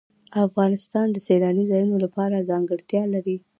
افغانستان د سیلاني ځایونو له پلوه ځانګړتیاوې لري.